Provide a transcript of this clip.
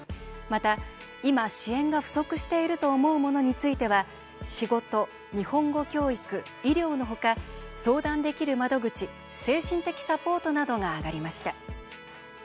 また、今「支援が不足していると思うもの」については仕事、日本語教育、医療の他相談できる窓口精神的サポートなどが挙がりました。